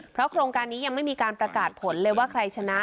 เพราะโครงการนี้ยังไม่มีการประกาศผลเลยว่าใครชนะ